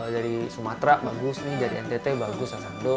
dari sumatera bagus ini dari ntt bagus asando